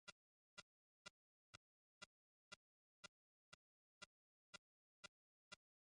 কাজের ছেলেটাকে বলে যাচ্ছি, সে প্রতি পনের মিনিট পরপর চা দেবে।